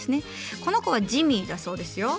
この子はジミーだそうですよ。